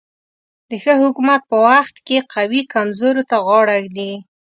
د ښه حکومت په وخت کې قوي کمزورو ته غاړه ږدي.